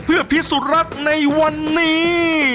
เพื่อพิสูจน์รักในวันนี้